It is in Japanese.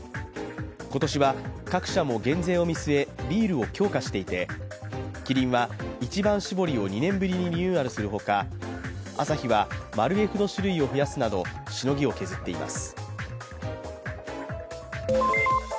今年は各社も減税を見据え、ビールを強化していて、キリンは一番搾りを２年ぶりにリニューアルするほかアサヒはマルエフの種類を増やすなどしのぎを削っています。